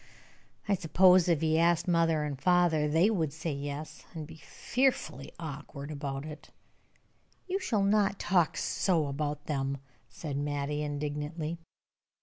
I suppose, if he asked father and mother, they would say 'yes,' and be fearfully awkward about it." "You shall not talk so about them!" said Mattie, indignantly.